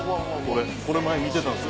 これ前見てたんです。